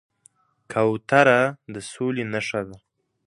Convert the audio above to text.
کوتره د سولې نښه ده.